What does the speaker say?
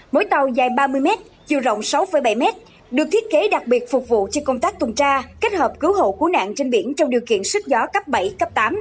mỗi tàu dài ba mươi m chiều rộng sáu bảy m được thiết kế đặc biệt phục vụ cho công tác tuần tra kết hợp cứu hộ cứu nạn trên biển trong điều kiện sức gió cấp bảy cấp tám